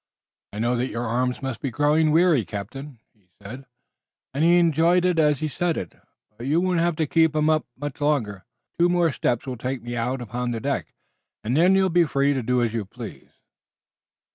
"I know that your arms must be growing weary, captain," he said, and he enjoyed it as he said it, "but you won't have to keep 'em up much longer. Two more steps will take me out upon the deck, and then you'll be free to do as you please."